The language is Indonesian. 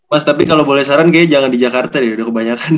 mas tapi kalau boleh saran kayaknya jangan di jakarta nih udah kebanyakan